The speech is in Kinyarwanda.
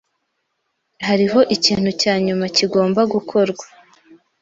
Hariho ikintu cya nyuma kigomba gukorwa.